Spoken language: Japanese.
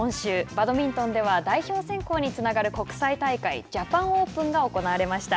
バドミントンでは代表選考につながる国際大会ジャパンオープンが行われました。